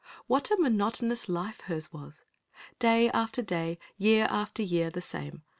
What a monotonous life hers was! Day after day, year after year the same!